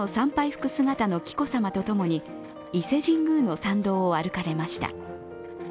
服姿の紀子さまとともに伊勢神宮の参道を歩かれました。